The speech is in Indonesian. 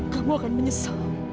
kamu akan menyesal